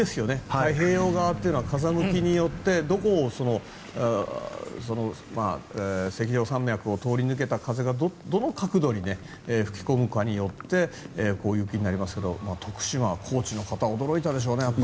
太平洋側というのは風向きによってどこを山脈を通り抜けた風がどの角度に吹き込むかによってこう雪になりますけど徳島、高知の方は驚いたでしょうね。